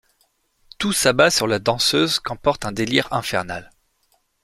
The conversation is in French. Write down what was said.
Tout s'abat sur la danseuse qu'emporte un délire infernal.